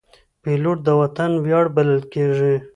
پیلوټ د وطن ویاړ بلل کېږي.